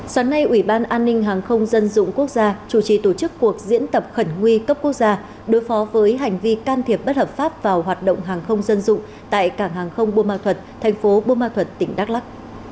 sáng nay ủy ban an ninh hàng không dân dụng quốc gia chủ trì tổ chức cuộc diễn tập khẩn nguy cấp quốc gia đối phó với hành vi can thiệp bất hợp pháp vào hoạt động hàng không dân dụng tại cảng hàng không buôn ma thuật thành phố buôn ma thuật tỉnh đắk lắc